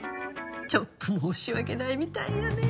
ちょっと申し訳ないみたいやね。